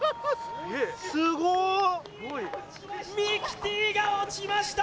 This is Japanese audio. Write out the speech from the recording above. すごミキティが落ちました